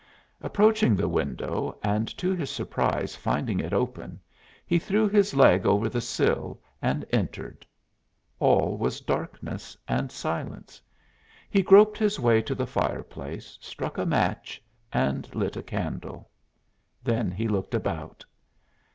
Approaching the window, and to his surprise finding it open, he threw his leg over the sill and entered. All was darkness and silence. He groped his way to the fire place, struck a match and lit a candle. Then he looked about.